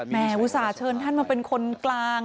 แหมวูสาเชิญท่านมาเป็นคนกลาง